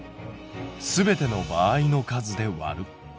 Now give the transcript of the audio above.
すべての場合の数でわる。